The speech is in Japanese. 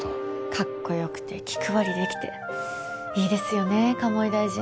かっこよくて気配りできていいですよね鴨井大臣。